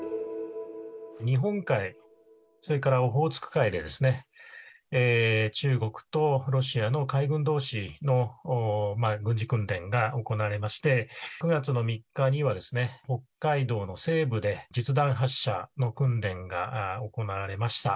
日本海、それからオホーツク海で、中国とロシアの海軍どうしの軍事訓練が行われまして、９月の３日には、北海道の西部で実弾発射の訓練が行われました。